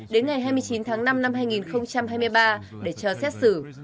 đến ngày hai mươi chín tháng năm năm hai nghìn hai mươi ba để cho xét xử